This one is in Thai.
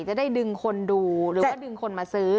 จะได้ดึงคนดูหรือว่าดึงคนมาซื้อ